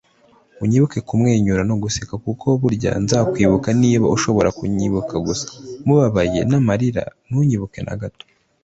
unyibuke kumwenyura no guseka, kuko burya nzakwibuka niba ushobora kunyibuka gusa mubabaye n'amarira, ntunyibuke na gato